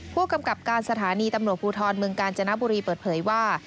ผู้กำกับการสถานีตำรวจภูทรเมืองกาญจนบุรีเปิดเผยว่า